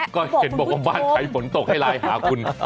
ก็เห็นบอกว่าบ้านใครฝนตกให้ไลน์หาคุณ